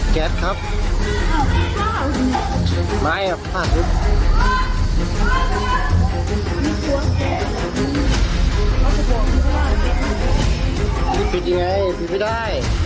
ปิดอย่างไรปิดไม่ได้